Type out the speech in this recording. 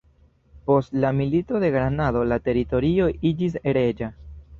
Post la Milito de Granado la teritorio iĝis reĝa.